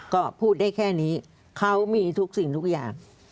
ก็พูดได้แค่นี้เขามีทุกสิ่งทุกอย่าง